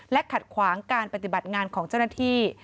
ขัดขวางการปฏิบัติงานของเจ้าหน้าที่